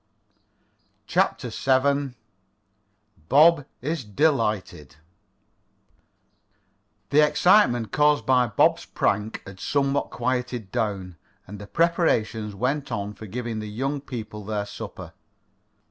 CHAPTER VII BOB IS DELIGHTED The excitement caused by Bob's prank had somewhat quieted down, and the preparations went on for giving the young people their supper.